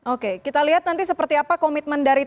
oke kita lihat nanti seperti apa komitmen dari tni